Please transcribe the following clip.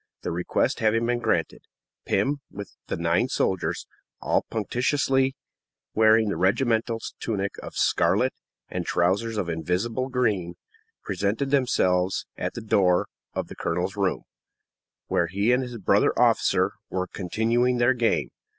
The request having been granted, Pim, with the nine soldiers, all punctiliously wearing the regimental tunic of scarlet and trousers of invisible green, presented themselves at the door of the colonel's room, where he and his brother officer were continuing their game.